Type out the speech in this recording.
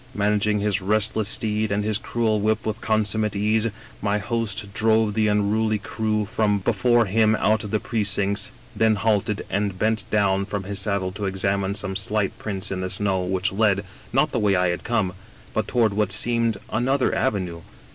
" Managing his restless steed and his cruel whip with consummate ease, my host drove the unruly crew before him out of the precincts, then halted and bent down from his saddle to examine some slight prints in the snow which led, not the way I had come, but toward what seemed an other avenue.